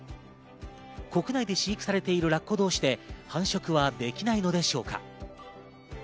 国内で飼育されているラッコ同士で繁殖はできないのでしょうか。